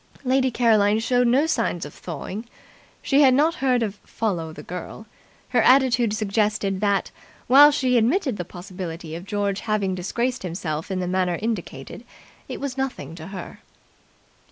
Lady Caroline showed no signs of thawing. She had not heard of 'Follow the Girl'. Her attitude suggested that, while she admitted the possibility of George having disgraced himself in the manner indicated, it was nothing to her.